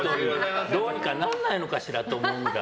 どうにかなんないのかしらと思うわ。